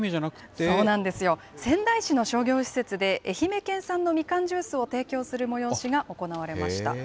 そうなんですよ、仙台市の商業施設で愛媛県産のみかんジュースを提供する催しが行われました。